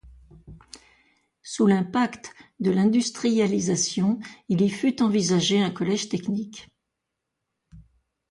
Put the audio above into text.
Sous l'impact de l'industrialisation, il y fut envisagé un collège technique.